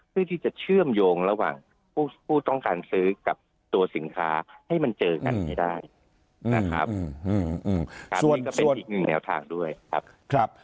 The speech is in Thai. เพื่อที่จะเชื่อมโยงระหว่างผู้คู่ต้องการซื้อกับตัวสินค้าให้มันเจอกันให้ได้นะครับ